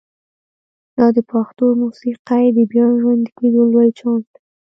دا د پښتو موسیقۍ د بیا ژوندي کېدو لوی چانس دی.